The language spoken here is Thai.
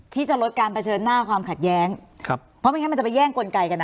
ที่จะลดการเผชิญหน้าความขัดแย้งครับเพราะไม่งั้นมันจะไปแย่งกลไกกันนะ